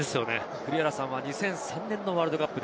栗原さんは２００３年ワールドカップ。